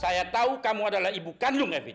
saya tahu kamu adalah ibu kandung evi